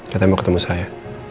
katanya mau ketemu saya